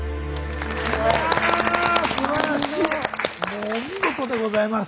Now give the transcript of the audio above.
もうお見事でございます。